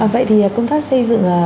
vậy thì công tác xây dựng